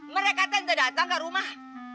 mereka tenda datang ke rumah